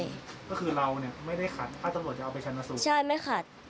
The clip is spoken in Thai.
ก็คือเราเนี่ยไม่ได้ขัดถ้าตำรวจจะเอาไปชันสูตรใช่ไม่ขัด